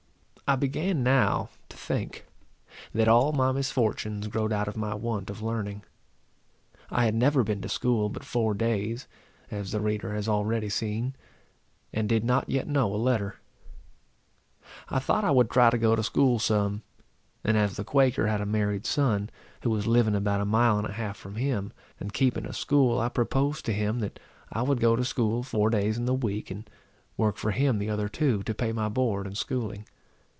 I began now to think, that all my misfortunes growed out of my want of learning. I had never been to school but four days, as the reader has already seen, and did not yet know a letter. I thought I would try to go to school some; and as the Quaker had a married son, who was living about a mile and a half from him, and keeping a school, I proposed to him that I would go to school four days in the week, and work for him the other two, to pay my board and schooling.